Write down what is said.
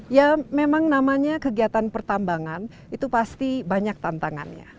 ya memang namanya kegiatan pertambangan itu pasti banyak tantangannya